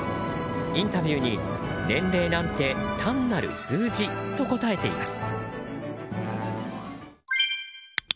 インタビューに年齢なんて単なる数字と答えています。